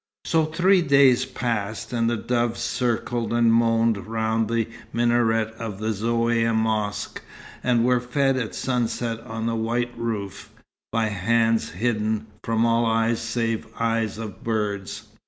So three days passed, and the doves circled and moaned round the minaret of the Zaouïa mosque, and were fed at sunset on the white roof, by hands hidden from all eyes save eyes of birds.